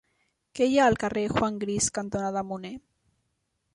Què hi ha al carrer Juan Gris cantonada Munné?